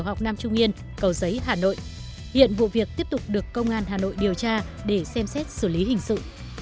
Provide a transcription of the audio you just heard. hiện vụ việc tiếp tục được công an hà nội điều tra để xem xét xử lý hình sự